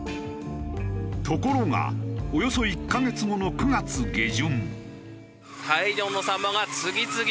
ところがおよそ１カ月後の９月下旬。